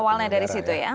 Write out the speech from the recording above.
awalnya dari situ ya